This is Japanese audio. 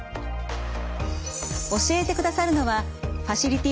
教えてくださるのはファシリティ